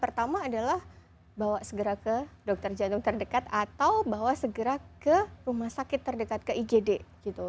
pertama adalah bawa segera ke dokter jantung terdekat atau bawa segera ke rumah sakit terdekat ke igd gitu